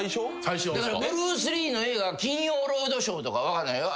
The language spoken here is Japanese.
だからブルース・リーの映画『金曜ロードショー』とか分かんないよ。